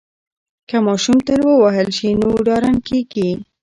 که ماشوم تل ووهل شي نو ډارن کیږي.